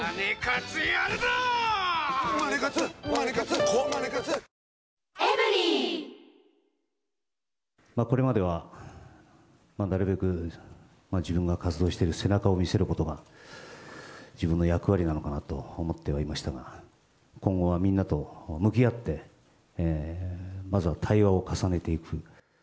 最高の渇きにＤＲＹこれまではなるべく、自分が活動している背中を見せることが、自分の役割なのかなと思ってはいましたが、今後はみんなと向き合って、まずは対話を重ねていく。